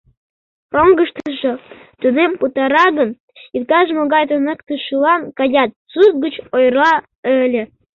Роҥгыштыжо тунем пытара гын, иктаж-могай туныктышылан каят сурт гыч ойырла ыле...